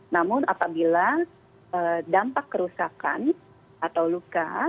namun apabila dampak kerusakan atau luka